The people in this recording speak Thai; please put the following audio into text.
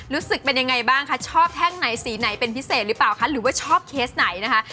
รู้สึกเป็นยังไงบ้างคะชอบแท่งไหนสีไหนเป็นพิเศษหรือเปล่าคะหรือว่าชอบเคสไหนนะคะ